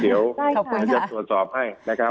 เดี๋ยวจะตรวจสอบให้นะครับ